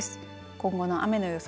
今後の雨の予想